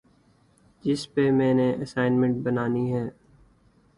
جس پہ میں نے اسائنمنٹ بنانی ہے